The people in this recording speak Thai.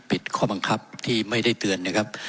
ข้อบังคับที่ไม่ได้เตือนนะครับ